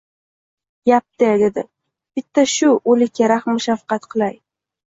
yapti, — dedi. — Bitta shu... o‘likka rahm-shafqat qilay-